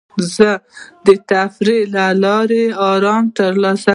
زه د تفریح له لارې ارام ترلاسه کوم.